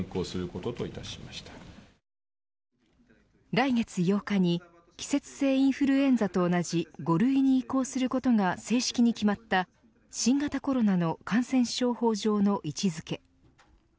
来月８日に季節性インフルエンザと同じ５類に移行することが正式に決まった新型コロナの感染症法上の位置付け。